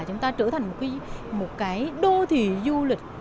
chúng ta trở thành một cái đô thị du lịch